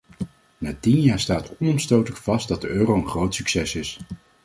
Na tien jaar staat onomstotelijk vast dat de euro een groot succes is.